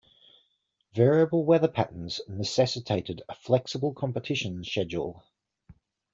Variable weather patterns necessitated a flexible competition schedule.